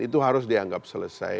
itu harus dianggap selesai